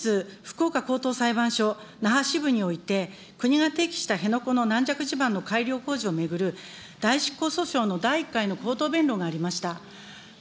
それからさくじつ、福岡高等裁判所那覇支部において、国が提起した辺野古の軟弱地盤の改良工事を巡る代執行訴訟の第１回の口頭弁論がありました。